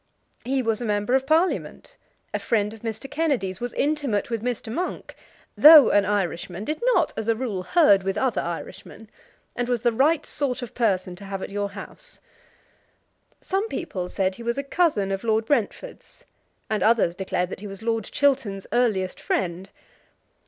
He was a member of Parliament, a friend of Mr. Kennedy's, was intimate with Mr. Monk, though an Irishman did not as a rule herd with other Irishmen, and was the right sort of person to have at your house. Some people said he was a cousin of Lord Brentford's, and others declared that he was Lord Chiltern's earliest friend.